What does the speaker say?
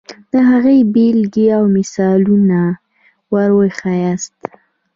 د هغې بېلګې او مثالونه وښیاست.